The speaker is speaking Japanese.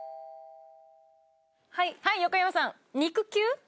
はいはい横山さん